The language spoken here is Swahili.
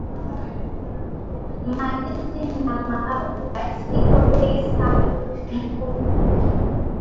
Ma ndizi, na ma avocat iko beyi sana mu mvula